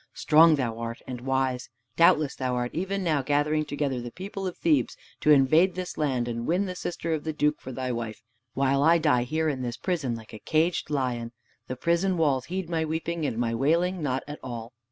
Strong thou art, and wise. Doubtless thou art even now gathering together the people of Thebes to invade this land and win the sister of the Duke for thy wife, while I die here in this prison like a caged lion. The prison walls heed my weeping and my wailing not at all."